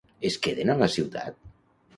Es queden a la ciutat?